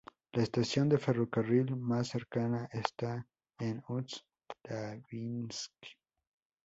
La estación de ferrocarril más cercana está en Ust-Labinsk.